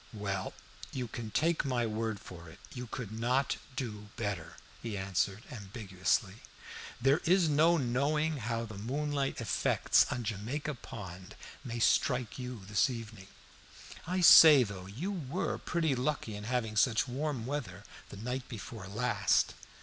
"Well, you can take my word for it, you could not do better," he answered, ambiguously. "There is no knowing how the moonlight effects on Jamaica Pond may strike you this evening. I say, though, you were pretty lucky in having such warm weather the night before last."